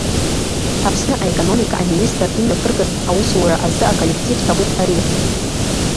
Аԥсны аекономика аминистр имҩаԥыргаз аусура азы аколлектив ҭабуп ҳәа реиҳәеит.